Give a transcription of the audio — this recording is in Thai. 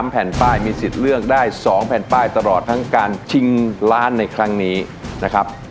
แผ่นป้ายมีสิทธิ์เลือกได้๒แผ่นป้ายตลอดทั้งการชิงล้านในครั้งนี้นะครับ